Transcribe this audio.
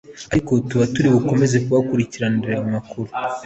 ariko tukaba turi bukomeze kubakurikiranira aya makuru